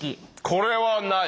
これはない。